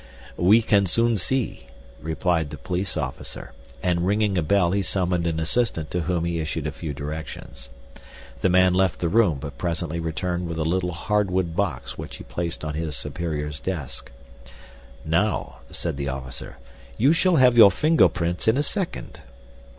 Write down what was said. "We can soon see," replied the police officer, and ringing a bell he summoned an assistant to whom he issued a few directions. The man left the room, but presently returned with a little hardwood box which he placed on his superior's desk. "Now," said the officer, "you shall have your fingerprints in a second."